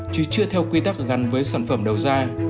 chứ chưa theo quy tắc gắn với sản phẩm đầu ra